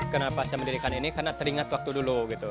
kenapa saya mendirikan ini karena teringat waktu dulu gitu